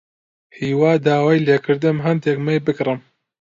هیوا داوای لێ کردم هەندێک مەی بکڕم.